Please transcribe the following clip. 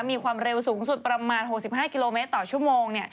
มีความเร็วสูงสุดประมาณ๖๕กิโลเมตรต่อชั่วโมง